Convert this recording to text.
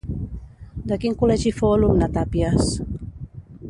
De quin col·legi fou alumne Tàpies?